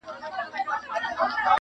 په کړکۍ کي ورته پټ وو کښېنستلی٫